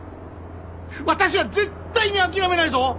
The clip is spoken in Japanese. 私は絶対に諦めないぞ！